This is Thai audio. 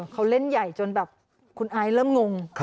เขาเล่นใหญ่จนแบบคุณไอซ์เริ่มงง